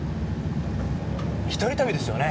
一人旅ですよね？